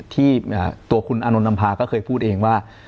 ที่ตัวคุณอานนท์นำพาก็เคยพูดเองว่า